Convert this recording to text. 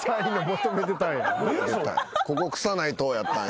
ここ臭ないとやったんや。